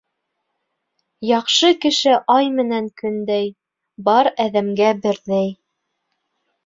Яҡшы кеше ай менән көндәй: бар әҙәмгә берҙәй.